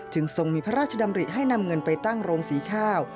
ทรงมีพระราชดำริให้นำเงินไปตั้งโรงสีข้าว